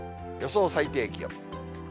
予想最低気温。